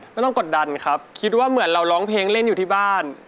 กดดันครับคิดว่าเหมือนเราร้องเพลงเล่นอยู่ที่บ้าน